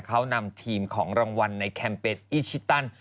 เขานำทีมของรางวัลในแคมเปญอีชิตัน